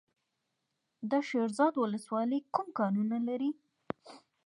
د شیرزاد ولسوالۍ کوم کانونه لري؟